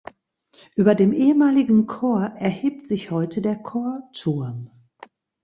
Über dem ehemaligen Chor erhebt sich heute der Chorturm.